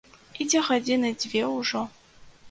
Ідзе гадзіны дзве ўжо.